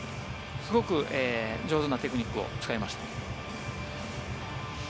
すごく上手なテクニックを使いました。